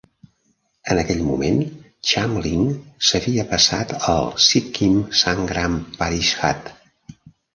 En aquell moment, Chamling s'havia passat al Sikkim Sangram Parishad.